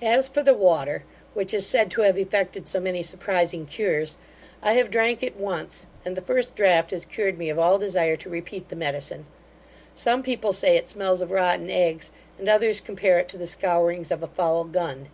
As for the water, which is said to have effected so many surprising cures, I have drank it once, and the first draught has cured me of all desire to repeat the medicine. Some people say it smells of rotten eggs, and others compare it to the scourings of a foul gun.